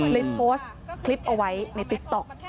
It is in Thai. โพสต์คลิปเอาไว้ในติ๊กต๊อก